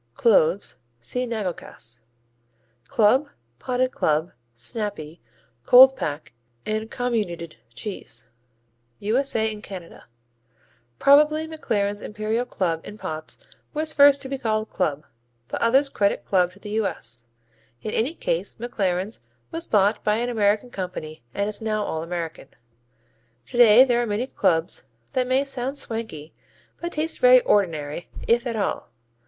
Cloves see Nagelkäse. Club, Potted Club, Snappy, Cold pack and Comminuted cheese U.S.A. and Canada Probably McLaren's Imperial Club in pots was first to be called club, but others credit club to the U.S. In any case McLaren's was bought by an American company and is now all American. Today there are many clubs that may sound swanky but taste very ordinary, if at all.